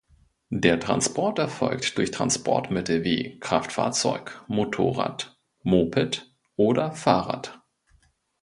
Der Transport erfolgt durch Transportmittel wie Kraftfahrzeug, Motorrad, Moped oder Fahrrad.